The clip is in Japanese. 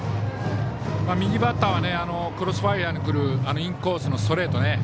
右バッターはクロスファイアーにくるインコースのストレートね。